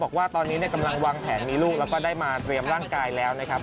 บอกว่าตอนนี้กำลังวางแผนมีลูกแล้วก็ได้มาเตรียมร่างกายแล้วนะครับ